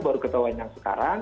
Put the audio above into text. baru ketahuan yang sekarang